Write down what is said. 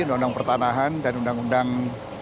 undang undang pertanahan dan undang undang